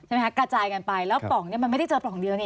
กระจายกันไปแล้วปล่องนี้มันไม่ได้เจอปล่องเดียวนี่